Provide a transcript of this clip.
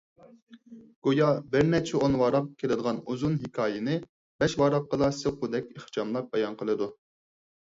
گويا بىرنەچچە ئون ۋاراق كېلىدىغان ئۇزۇن ھېكايىنى بەش ۋاراققىلا سىغقۇدەك ئىخچاملاپ بايان قىلىدۇ.